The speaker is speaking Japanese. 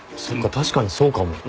確かにそうかも。